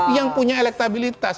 yang punya elektabilitas